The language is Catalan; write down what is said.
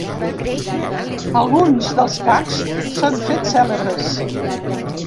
Alguns dels gags s’han fet cèlebres.